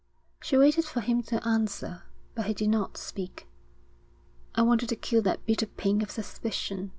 She waited for him to answer, but he did not speak. 'I wanted to kill that bitter pain of suspicion.